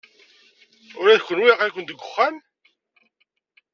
Ula d kenwi aql-iken deg uxxam?